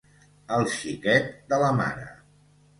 El xiquet de la mare